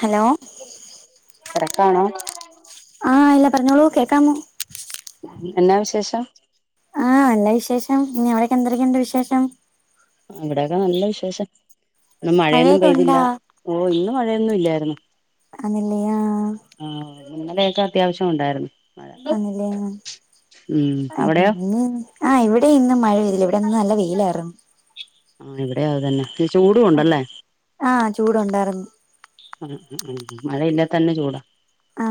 Hello തെരക്കാണോ ആഹ് ഇല്ല പറഞ്ഞോളൂ കേക്കാമോ എന്നാ വിശേഷം ആഹ് എന്നാ വിശേഷം പിന്നെ അവടൊക്കെ എന്തരക്കെയുണ്ട് വിശേഷം ആ ഇവിടെയൊക്കെ നല്ല വിശേഷം ഇന്ന് മഴയൊന്നും മഴയൊക്കെ പെയ്തില്ല ഉണ്ടാ ഓ ഇന്ന് മഴയൊന്നും ഇല്ലാ [unintelligible] അങ്ങനെയാ ഇന്നലെയൊക്കെ അത്യാവശ്യം ഒണ്ടായിരുന്ന് [unintelligible] അവിടെയോ ആ ഇവിടെ ഇന്ന് മഴ പെയ് ഇവിടങ്ങ് നല്ല വെയിലാർന്ന് ആഹ് ഇവിടെയും അത് തന്നെ ത്തി ചൂടും ഉണ്ടല്ലേ ആ ചൂടുണ്ടായിരുന്നു അ അ ആ മഴയില്ലെ തന്നെ ചൂടാ ആ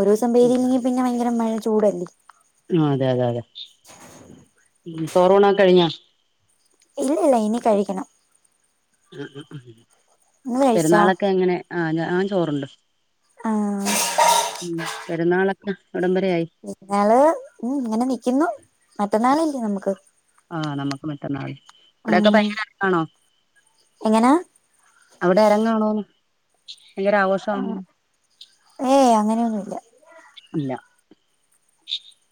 ഒരൂസം പെയ്തില്ലെങ്കി പിന്നെ ഭയങ്കര മഴ ചൂടല്ലേ അതെ അതെ അതെ. ചോറൂണൊക്കെ കഴിഞ്ഞാ ഇല്ല. ഇനി കഴിക്കണം അ അ ആ നിങ്ങള് കഴിച്ചാ പെരുന്നാളൊക്കെ അങ്ങനെ ആ ഞാൻ ചോറുണ്ട് ആ [unintelligible] ഉം പെരുന്നാളാ പെരുന്നാള് ഇങ്ങനെ നിൽക്കുന്നു മറ്റന്നാളല്ലെ നമുക്ക് ആ നമുക്ക് മറ്റന്നാള് അവിടൊക്കെ ഉം ഭയങ്കര അരങ്ങാണോ? എങ്ങനാ അവിടെ അരങ്ങാണോന്ന് ഏയ് അങ്ങനൊന്നൂല്ല ല്ല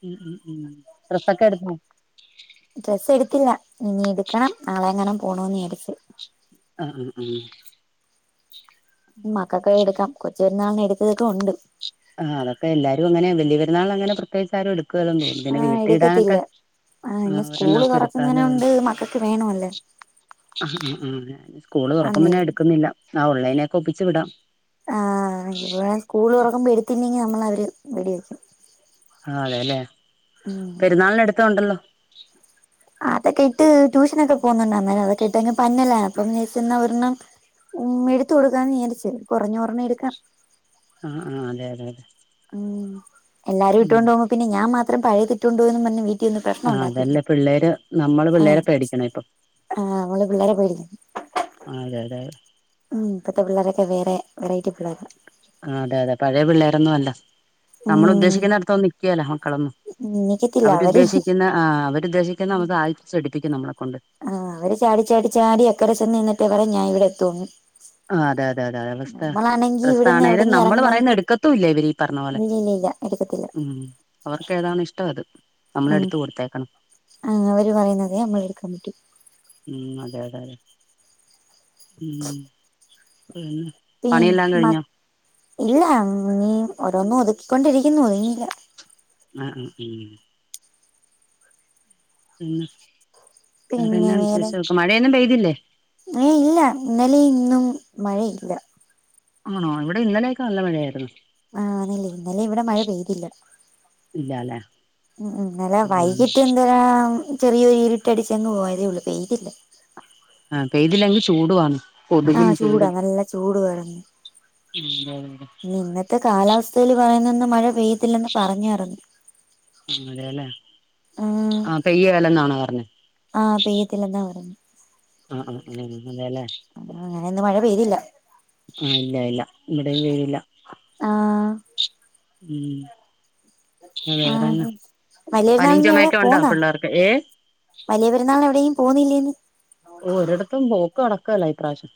ഉം ഉം ഉം ഡ്രസ്സൊക്കെ എടുത്തോ? ഇല്ല. ഇനി എടുക്കണം. നാളെങ്ങാനും പോണോന്ന് വിചാരിച്ച് ആ ആ ആ മക്കക്കുപോയെടുക്കാം കൊച്ച് ച്ചു പെരുന്നാളിന് എടുത്തതൊക്കെ ഉണ്ട്. ആ അതൊക്കെ എല്ലാരും അങ്ങനയാ വല്യ പെരുന്നാളിന് പ്രത്യേകിച്ച് ആരും എടു ക്കേലന്നു തോന്നുന്നു. പിന്നെ ആഹ് വീട്ടി ഇടാനൊക്കെ എടുക്കത്തില്ല ആഹ് ഇനി സ്കൂള് ഒരെണ്ണൊക്കെ എടുത്താലൊള്ളൂ. തുറക്കുന്നതിനോണ്ട് മക്കൾക്ക് വേണമല്ലോ ആ ആ ആ സ്‌കൂള് തുറക്കുമ്പേ ഞാൻ അന്നേരം എടുക്കുന്നില്ല. ആ ഒള്ളേനൊക്കെ ഒപ്പി ച്ച് വിടാം ആ [unintelligible] സ്‌കൂള് തുറക്കുമ്പേ എ ത്തില്ലെങ്കി നമ്മളെ അവര് വെടിവക്കും. അതേല്ലേ പെരുന്നാളിന് എടുത്തതുണ്ടല്ലോ അതൊക്കെയിട്ട് ട്യൂഷനൊക്കെ പോകുന്നുണ്ടാരുന്നു അതിട്ടെക്കങ്ങ് പന്നലാ കുറഞ്ഞപൈസൻ്റെ ഒരെണ്ണം ഉമ്മി എടുത്തു കൊടുക്കാന്ന് വിചാരിച്ച് കുറഞ്ഞൊരെണ്ണം എടുക്കണം ആ ആ അതെ അതെ അതെ ഉം എല്ലാരും ഉം ഇട്ടോണ്ടു പോകുമ്പേ പിന്നെ ഞാൻ മാത്ര ത്രം പഴേതിട്ടോണ്ടു പോയീന്ന് പറഞ്ഞ് വീ ആ തന്നെ പിള്ളേര്. ആഹ് നമ്മള്പിള്ളേരെ പേടിക്കണം ഇപ്പം ആഹ് നമ്മള് പിള്ളേരെ ആ അതെ അതെ ഇപ്പോഴത്തെ പിള്ളേരൊക്കെ വേറെ വെറൈറ്റി പിള്ളേരാ ആഹ് അതെ അതെ പഴയ പിള്ളേരൊന്നും അല്ല നമ്മള് ഉം ഉദ്ദേശിക്കുന്നിടത് ഒന്നും നിക്കേല മക്കളൊന്നും എണീക്കത്തില്ല അവര് അവരുദ്ദേശിക്കുന്ന ആ അവരുദ്ദേശിക്കുന്ന അവ സാധിച്ചെടുപ്പിക്കും നമ്മളെ കൊണ്ട് ആഹ് അവര് ചാടി തോന്നും ആഹ് അതെ അതെ അതെ റിസ്കാ ഇവിടുന്ന് പ്രശ്നണേലും എവിടെങ്കി നമ്മള് എറങ്ങണോങ്കി പറയുന്നത് എടുക്കത്തൂല്ലാ ഇവരീപറഞ്ഞാ ഞ്ഞപോലെ ഇല്ലില്ലില്ല എടുക്കത്തില്ല ഉം അവർക്കെതാന്ന് ഇഷ്ടവാ അത് നമ്മൾ ആഹ് എടുത്ത് കൊടുത്തേക്കണം അആ അവര് പറയുന്നതേ നമ്മള് എടുക്കാൻ പറ്റു. മ് അതെ അതെരഎ മ് മ് പി പണിയെല്ലാം മ കഴിഞ്ഞൊ ഇല്ല അങ്ങി ഓരോന്നു ഒതുക്കികൊണ്ട് ഇരിക്കുന്നു ഒതുങ്ങിയില്ല. ആഹ് ആഹ് മ് മ് വേറെന്നാ വിശേഷവൊക്കെ മഴയൊന്നും പെയ് ഇല്ലേ ഏയ് ഇല്ല ഇന്നലെയും ഇന്നും മഴ ഇല്ല. ആണോ ഇവിടെ ഇന്നലെയൊക്കെ നല്ല മഴയായിരുന്ന്. ആഹ് ന്നില്ലേ ഇന്നലെ ഇവിടെ മഴ പെയ്തില്ല ഇല്ലാല്ലേ മ് മ് ഇന്നലെ ആഹ് വൈകിട്ട് [unintelligible] ചെറിയൊരു ഇരുട്ടടിച്ചങ്ങ് പോയതേ ഉള്ള് പെയ്തില്ല. അ പെയ്തില്ലെങ്കി ചൂടുവാണ് കൊതുകും ആഹ് ചൂടാ ചൂടും നല്ല ചൂടും അരെന്ന് ഉം ഇനി ഇന്നത്തെ കാലാവസ്ഥയില് പറയുന്നേന്ന് മഴ പെയ്യത്തില്ലന്ന് പറഞ്ഞാരെന്ന് അതെ അതെ അതെ ആ അതെല്ലേ ആഹാആ ആഹ് പെയ്യേലെന്നാണോ പറഞ്ഞേ അആ പെയ്യത്തില്ലന്നാ പറഞ്ഞെ ആഹ് ആഹ് അതെല്ലേ ആ അങ്ങനെ ഇന്ന് മഴ പെയ്തില്ല ആഹ് ഇല്ല ഇല്ലാ ഇവിടേം പെയ്തില്ല അആ മ് ആഹ് ബും പനിയും വലിയരുന്നാളിന് എവിടെയ ചുമയൊക്കെ ഉണ്ടോ പോന്നാ പിള്ളേർക്ക് ഏഹ് വലിയ പെരുന്നാളിന് എവിടേയും പോന്നില്ലേന്ന് ഓ ഒരടത്തും പോ ക്ക് നടക്കല്ലേ ഈപ്രാവശ്യം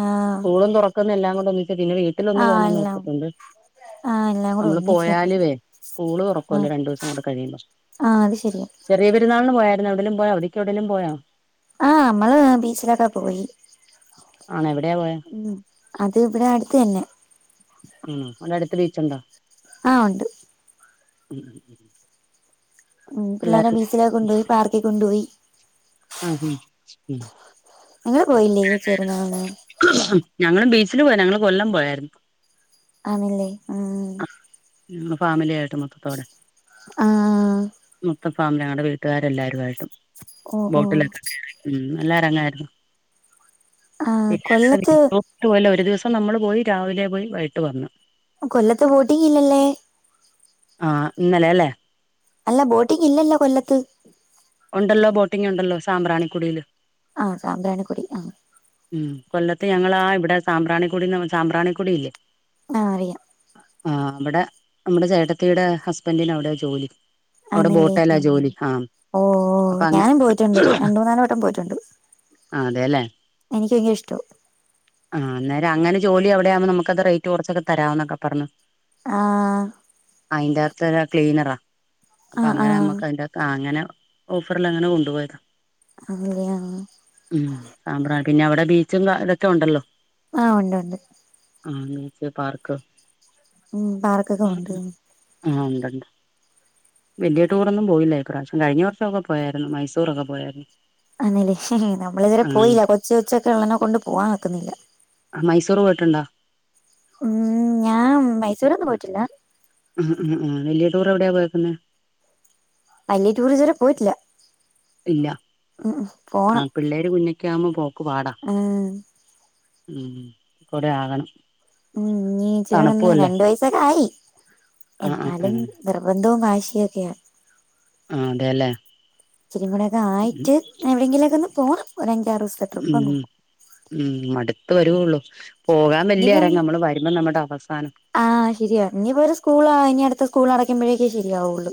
ആഹ് കൂളും തൊറക്കെന്നില്ലാംകൊണ്ടും [unintelligible] പിന്നെ വീട്ടില് ഒന്ന് ആഹ് പോണോന്ന് എല്ലാം ഓർത്തിട്ടുണ്ട് ആഹ് എല്ലാം കൂടെ നമ്മള് ഒന്നിച്ച് കണ്ടത് പോയാലുവേ സ്കൂള് തുറക്കുവല്ലെ ആഹ് രണ്ടുദിവസം കൂടെ കഴിയുമ്പോ ആഹ് അത് ശരിയാ ചെറിയ പെരുന്നാളിന് പോയായിരു പിന്നെ എവിടേലും പോയാ? അവധിക്ക് എവിടേലും പോയാ? ആ മ്മള് ബീച്ചിലൊക്കെ പോയി ആണോ എവിടെയാ പോയെ മ് അത് ഇവിടെ അടുത്ത് തന്നെ. ഉം [unintelligible] [unintelligible] ബീച്ച് ഒണ്ടോ ആ ഒണ്ട് [unintelligible] മ് പിള്ളാരെ പിള്ളേര് ബീച്ചിലോ കൊണ്ടോയി പാർക്കി കൊണ്ടൊയി. ഉ ഉം ഉം ങ്ങള് പോയില്ലേ കൊച്ചു പെരുന്നാളിന് ബീച്ചിൽ പോയി ന്ഞങ്ങൾ കൊല്ലം പോയായിരുന്നു ആണല്ലേ ഉം മ് ഫാമിലി ആയിട്ട് മൊത്തം അവിടെ ആ ഫാമിലി ഞങ്ങളുടെ വീട്ടുകാരെല്ലാരായിട്ടും ഓ ഓ ബോട്ടിലൊക്കെ കേറി ഉം നല്ല അരങ്ങായിരുന്നു ആ കൊല്ലത്ത് ഡോക്ടപോലെ ഒരു ദിവസം നമ്മൾ പോയി രാവില പോയിവൈകിട്ട് വന്നു കൊല്ലത്ത് പൂട്ടിക്കിലല്ലെ ആഇന്നലെല്ലെ അല്ലാം ബോട്ടിക്കില്ലല്ലോ കൊല്ലത്ത് ഉണ്ടല്ലോ ബോയിംഗ് ഉണ്ട ലോ സാമ്രണി കുടീല്. സാമ്രാനികുടി കൊല്ലത്ത് ഞങ്ങ ളാ ഇവിടെ സാമ്രാണികുടി സാബ്രാണി കുടിയില്ലേ ആ അറിയാം അ വിടെ നമ്മുടെ ചേട്ടത്തിയുടെ ഹസ്ബൻഡ്ന് അവിടെ ജോലി ആണല്ലേ ബോട്ടേലാ ആഹ് അപ്പൊ അങ്ങ ഞാനും പോയിട്ടുണ്ട് രണ്ടുമൂന്നാല് വട്ടം പോയി ട്ടുണ്ട് ആഹ് [unintelligible] ഷടം ആ അനര് അങനെ നമ്മുക്ക് അത് റേറ്റ് കുറച്ചു തരാം എന്ന് പറഞ്ഞു ആ അയിന്റെ ത്ത ഒരുക്ലിനറാ ആ അവിന്റെ ആ ത്ത്നെതിന്റെ ത്ത് ഓഫറിൽ അങ്ങനെ കോൺടോ ഉ ആണല്ലേ ആ സ്റ്ററിട്ട്യ പിന്നെ ബീച്ചും കാര്യം റ്റോ ഉണ്ട ലോ ആഉണ്ട് ഉണ്ട് അമിച്ച് പാർക്ക് ഉം പാർക്ക് കോവ് ണ്ട് ആണ്ട് ണ്ട് വല്യ റ്റൂ റൊ ന്നും പോയില്ല ഇപ്രാവശ്യം കഴിഞ്ഞ വർ ഷൊക്കെ പോയായിരുന്നു മൈസൂർ ഒക്കെ പോയായിരുന്നു അതെലെ ഹ് ഹ് നമ്മള് ഇത് വരെ പോയില ആഹ് കൊച്ച് ഒച്ചൊക്കെ ഒള്ളേനെ കൊണ്ട് പോവാനൊക്കുന്നില്ല മൈസൂറ് പോയ്ട്ടുണ്ടാ മ്മ് ഞാമ് മൈസൂരൊന്നും പോയിട്ടില്ല ഉം ഉം ഉം വെല്യേ ടൂറെവിടെ പോയക്കന് വല്യേ ട്ടൂറ് ഇത് വരെ പോയിട്ട്ല്ലാ ഇല്ല ആഹ് പിള്ളേര് പിന്നേ ക്യാമ്പോപൊ ആഹ് മ് ഒരാകണം മ് നീച്ച്ലടന്ന് രണ്ട് വയസ്സൊക്കായി ആ ആ ആ എന്നാലും നിർബന്ധി ന്തും വാശിയൊക്കെയാ ആ തെലെ ഇത്തിരികൂടെ ഒക്കെ ആയിട്ട് എവിടെങ്ങിലൊക്കൊന്ന് പോണം ഒര മ് മ് മട്ത്ത് വരുവൊള്ളൂ ഇനിയിപ്പം പോകാൻവല്യേഎരം നമ്മള് വരുമ്പം നമ്മടെഅ ആഹ് ശെരിയാ ഇനിപ്പര് സ്കൂളാ ഇനി അടുത്ത സ്കൂൾ അട കുമ്പഴേക്കെ ശെരിയാവൊള്ള്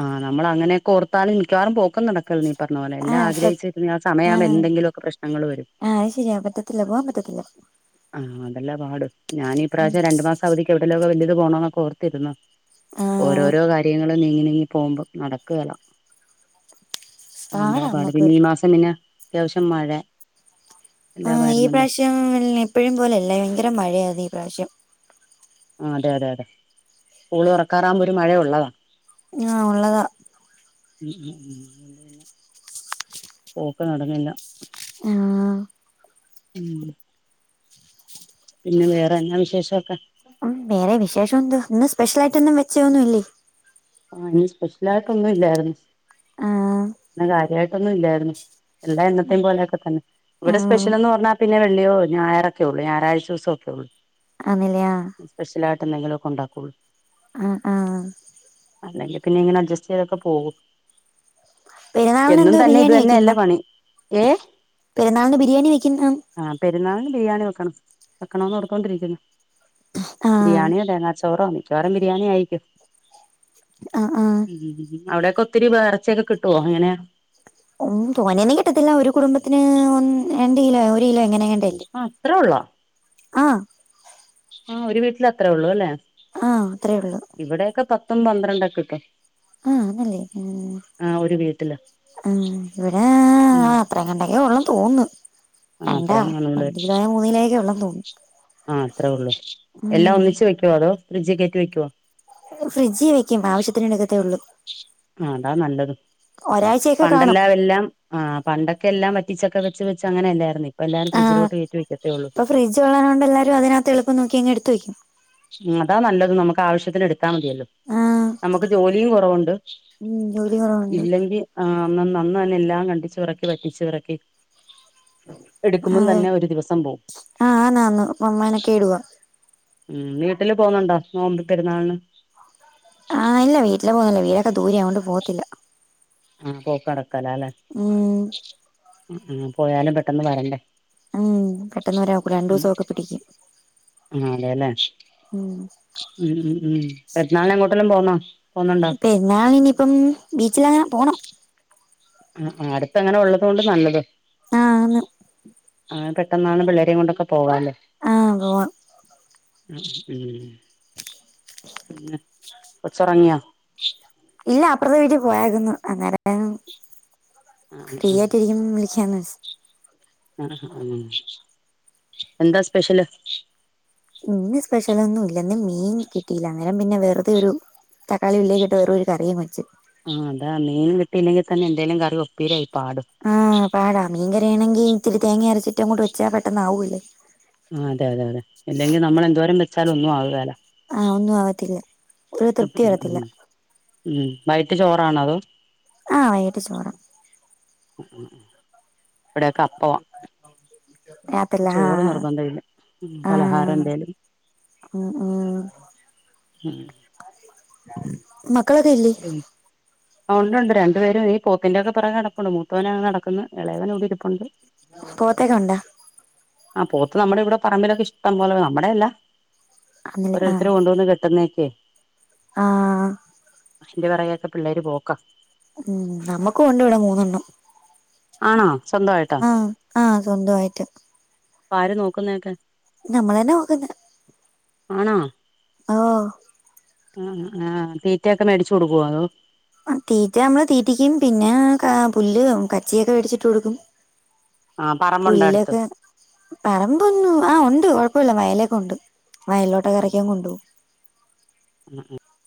ആഹ് നമ്മളങ്ങനൊക്കെ ഓർത്താല് മിക്കവാറും പോക്ക്‌ ക്കും നടക്കിൽ നീ പറഞപോലെ എല്ലാം ആഹ് സ ആഗ്രഹിച്ച് പിന്നേ ആഹ് സമയാമ്പോ എന്തെങ്കിലൊക്കെ പ്രേശ്നങ്ങള് വരും ആഹ് അത് ശരിയാ പറ്റത്തില്ല പോവാൻ പറ്റത്തില്ല ന്തല്ല പാട് ഞാനിപ്രാശ്യം രണ്ട് മാസവദിക്ക് എവ്ടെല്ലാം ക്കൊ വെല്ലിത് പോണോനൊക്കോ ഓർത്തിരുന്നു ആഹ് ഓരോരോ കാര്യങ്ങൾ ങ്ങൾ നീങ്ങി നീങ്ങി പോമ്പോ ന്നടക്കേല ങ്ങ പാടാ താപാട് നമ്മക്ക് പിന്നീമാസം പ്പിന്നെ ത്യാവഷ്യം മരെ ആഹ് ഈ പ്രാശ്യോം വെല്നെ പ്പഴും പോലല്ല വയങ്കര മഴയാർന്ന് ഇപ്രാഷ്യം അതെ അതെ അതെ സ്കൂള് തൊറക്കാറാമ്പേ മഴയുള്ളതാ ആഹ് ഉള്ളതാ പോക്ക്‌ നടന്നില്ലാ ആാാ ഹ് [inaudible] പിന്നെ വേറെ എന്നാ വിശേഷമൊക്കെ വേറെ വിശേഷോന്ത് ഇന്ന് സ് [unintelligible] [unintelligible] [inaudible] [inaudible] ആഹ് എല്ലാ എന്നത്തും പോലൊക്കെ തന്നെ ഇവിടെ ആഹ് സ്പെഷ്യൽ എന്ന് പറഞ്ഞാ പിന്നെ ള്ളിയോ ഞായറൊക്കെ ഉള്ളൂ ഞായറാഴ്ച ദിവസൊക്കെ ഉള്ളൂ ആന്നില്ലയോ എന്തെങ്കിലൊക്കെ ഒണ്ടാക്കുള്ളൂ അ ആഹ് അല്ലെങ്കിപ്പിന്നെ എങ്ങനെ അഡ്ജസ്റ്റ് ചെയ്തൊക്കെ പോകും പെരുന്നാളിന് എന്നും എന്തോ തന്നെ ഇത് ബിരിയാണി തന്നെയല്ലേ വെക്കുന്ന പണി ഏ പെരുന്നാളിന് ബിരിയാണി വെക്കുന്ന ആ പെരുന്നാളിന് ബിരിയാണി വെക്കണം വെക്കണോനോർത്തോണ്ടിയിരിക്കുന്നു ആ ബിരിയാണിയോ തേങ്ങാ ചോറോ മയി ചോറും ബിരിയാണിയും ആയിക്കോ അ ആഹ് അവിടൊക്കെ ഒത്തിരി വേ എറച്ചിയൊക്കെ കിട്ടുവോ എങ്ങനെയാ ഒന്നു തോനെന്നേ കിട്ടത്തില്ല ഒരു കുടുംബത്തിന് ഒന് രണ്ട് കിലോ ഒരു കിലോ എങ്ങനെങ്ങണ്ടല്ലേ ആ അത്ര ഒള്ളോ ആ ആഹ് ഒരു വീട്ടില് അത്ര ഉള്ളു അല്ലേ ആഹ് അത്ര ഉള്ളു ത്തും പന്ത്രണ്ടക്കെക്കെ ആഹ് നല്ലേ വീട്ടില് ഉം-ഉം ഇവിടെ ആ ഉം അത്രങ്ങാണ്ടക്കെ ഒള്ളന്ന് തോന്ന്ന്ന് ആ അത്രന്ന കാണുളേ മൂന്ന് കിലോയൊക്കെ ഉള്ളെന്ന് തോന്നുന്നു ആ അത്ര ഉള്ളു എല്ലാ ഉം ഒന്നിച്ച് വെക്കോ അതോ ഫ്രിഡ്ജിൽ കേറ്റി വെക്കുവോ ഫ്രിഡ്ജിൽ വെക്കും ആവശ്യത്തിന് എടുക്കത്തേ ഉള്ളൂ ആ അതാ നല്ലത് ഒരാഴ്ചയൊക്കെ കാണും പണ്ടെല്ലാ എല്ലാം ആഹ് പണ്ടൊക്കെ എല്ലാം വെ പിചൊക്കെ വെച്ച് വെച്ച് അങ്ങനെയെ തേർന്നേ ആഹ് ഇപ്പൊ ഫ്രിഡ്ജ് ഒള്ളതു കൊണ്ട് എല്ലാരും അതിനാകത്ത് എളുപ്പം നോക്കിയങ്ങ് എടുത്ത് വെയ്ക്കും അതാ നല്ലത് നമുക്ക് ആവശ്യത്തിന് എടു ത്താ മതിയല്ലോ ആ നമുക്ക് ജോലിയും കുറവുണ്ട് ഉം ജോലി കുറവുണ്ട് അ നന്ന തന്നെ എല്ലാം കണ്ടിച്ചു പെറുക്കി പറ്റിച്ചു ഇറക്കി [unintelligible] ദിവസം പോവും ആന്ന് ആന്ന് [unintelligible] ഉം വീട്ടില് പോന്നുണ്ടോ നോമ്പ് പെരുന്നാളിന് ആഹ് ഇല്ല വീട്ടിലില് പോകല്ലേ വീടൊക്കെ ദൂരെയാ അതുകൊണ്ട് പോകത്തില്ല ആഹ പോക്കടക്കും. കല്ല ഉം ആഹ് പോയാലും പെട്ടന്ന് വരണ്ടേ. ഉം പെട്ടെന്ന് ഒരാക്കൂട രണ്ടു ദിവസക്കെ പിടിക്കും അല്ലേ ഉം ഉ ഉം ഉം പെരുനാളിന് എങ്ങോട്ടലും പോന്നോ? [inaudible] പെരുന്നാൾ ഇനിയിപ്പം ബീച്ചിലങ്ങനെ പോണം. ആ ആ അടുത്ത അങ്ങനെ ഉള്ളത കൊണ്ട് നല്ലത് ആന്ന് പെട്ടന്നാണ് പിള്ളേരയും കൊണ്ടൊക്കെ പോവാല്ലേ ആഹ് പോവാ ഉം ഉം [unintelligible] കൊച്ചോറങ്ങിയൊ ഇല്ല അപ്പുറത്തെ വീട്ടിൽ പോയായിരുന്നു അങ്ങേര ആ ഫ്രീ ആയിട്ടിരിക്കു [unintelligible] ആഹ് ഉം എന്താ സ്പെഷ്യല് ഇന്ന് സ്പെഷലൊന്നു ന്ന് മീൻ കിട്ടീല്ല ഞ ഞാൻ പിന്നെ വെറുതെ ഒരു തക്കാളി ഉള്ളിക്കെട്ട് വെറൊരു കറിയും വെച്ച് ആഹ് അതാണ് മീൻ കിട്ടില്ലെങ്കിൽ തന്നെ എന്തോലും കറി ഒപ്പീരായി പാടും ആഹ് പാടാ മീൻ ക വേണെങ്കി ഇത്തിരി തേങ്ങ അരച്ചിട്ടങ്ങോട്ട് വെച്ചാ പെട്ടന്നാവൂലേ ആ അതെ അതെ അതെ അല്ലെങ്കിൽ നമ്മൾ എന്തോരം ക ചാലും ഒന്നും ആവുകെല ആഹ് ഒന്നും ആവാത്തില്ല ഒരു ഉം തൃപ്തി വരത്തില്ല ഉം ഉം വൈകിട്ട് ചോറാണോ അതോ ആ വൈകിട്ട് ചോറാ [unintelligible] ഇവിടെയൊക്കെ അപ്പമാ റിയത്തില്ല ആ ആ ആ പലഹാരം ആ എന്തേലും ഉം ഉം ഉം മത്ത് ക്കളൊക്കെ ഇല്ലേ ഉണ്ട് ഉണ്ട് രണ്ട് പേരും ഈ പോത്തിൻ്റെ എന്നൊക്കെ പറഞ്ഞ് നടപ്പ് ണ്ട് മൂത്തവനങ്ങനെ നടക്ക്ന്ന് ഇളയവൻ ഇവിടെ ഇരിപ്പുണ്ട് പോത്തെക്ക ഉണ്ടാ ആ പോത്ത് നമ്മടെ ഇവിടെ പറമ്പിലൊക്കെ ഇഷ് ടം പോലെ നമ്മടെ അല്ല ഓരോരുത്തരും കൊണ്ട് വന്ന് കെട്ടുന്നെ ക്കെ ആ അയിൻ്റെ പിറകെ ഒക്കെ പിള്ളാര് പോക്കാ നമ്മക്കൂണ്ടിവിടെ മൂന്നെണ്ണം ആണോ സ്വന്തമായിട്ടാ ആ ആ സ്വന്തമായിട്ട് അപ്പാര് നോക്കുന്നെയൊക്കെ നമ്മൾ തന്നാ നോക്കുന്നേ ആണോ ആ അ ആ തീറ്റയൊക്കെ മേടിച്ച് കൊടുക്കുവോ അതോ തീറ്റ നമ്മൾ തീറ്റിക്കും പിന്നെ ആ പുല്ല് കച്ചിയൊക്കെ വേടിച്ചിട്ട് കൊടുക്കും ആ പറമ്പുണ്ടോ അടുത്ത് പുല്ലൊക്കെ പറമ്പൊന്നും ആ ഉണ്ട് കുഴപ്പമില്ല വയലൊ ഉണ്ട് വയലിലോട്ട് ആ ഇറക്കിയങ്ങ് കൊണ്ട് പോകും [unintelligible]